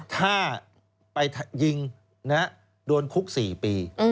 ถ้าไปยิงนะโดนคุกสี่ปี